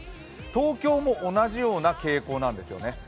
東京も同じような傾向なんですよね。